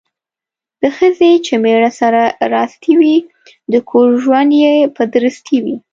د ښځې چې میړه سره راستي وي، د کور ژوند یې په درستي وي.